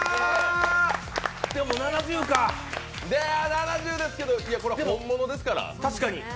７０ですけど、これは本物ですから。